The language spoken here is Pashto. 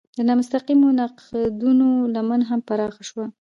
د نامستقیمو نقدونو لمن هم پراخه شوه.